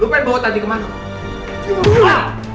lu pengen bawa tanti kemana